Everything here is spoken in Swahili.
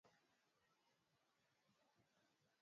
za kisheria mtu asiye Mwislamu hakuruhusiwa kushiriki katika